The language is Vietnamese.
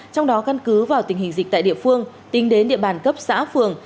trong đó căn cứ vào tình hình dịch tại địa phương tính đến địa bàn cấp xã phường